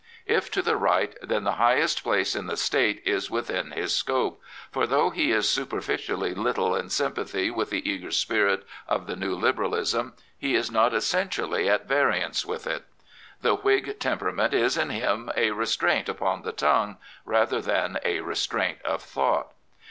If to the right, then the highest place in the State is within his scope, for though he is super ficially little in S)mpathy with the eager spirit of the new Liberalism, he is not essentially at variance with it. The Whig temperament is in him a restraint upon the tongue rather than a restraint of thought.